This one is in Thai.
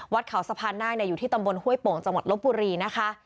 เขาสะพานหน้าอยู่ที่ตำบลห้วยโป่งจังหวัดลบบุรีนะคะ